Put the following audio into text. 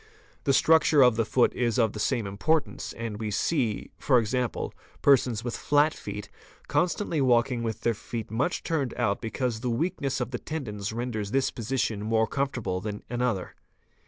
|_ The structure of the foot is of the same importance and we see, ¢.9., persons with flat feet constantly walking with their feet much turned out because the weakness of the tendons renders this position more comfort 'able than another.